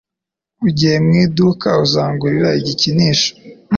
Ugiye mu iduka? Uzangurira igikinisho?